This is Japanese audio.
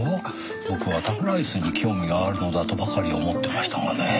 僕はタコライスに興味があるのだとばかり思ってましたがねぇ。